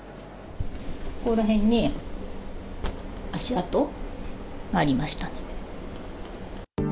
ここら辺に足跡ありましたね。